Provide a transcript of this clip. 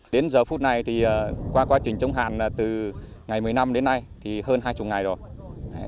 đến giờ phút này thì qua quá trình chống hạn từ ngày một mươi năm đến nay thì hơn hai mươi ngày rồi